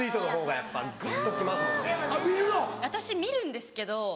私見るんですけど。